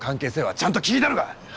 ちゃんと聞いたのか！？